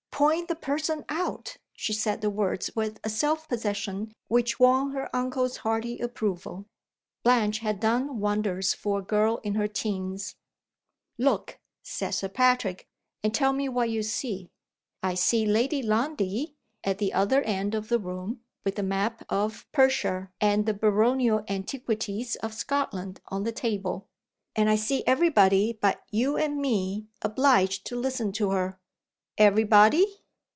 "Point the person out." She said the words with a self possession which won her uncle's hearty approval. Blanche had done wonders for a girl in her teens. "Look!" said Sir Patrick; "and tell me what you see." "I see Lady Lundie, at the other end of the room, with the map of Perthshire and the Baronial Antiquities of Scotland on the table. And I see every body but you and me obliged to listen to her." "Every body?"